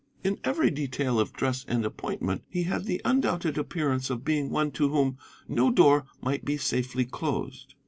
In every detail of dress and appointment he had the undoubted appearance of being one to whom no door might be safely closed.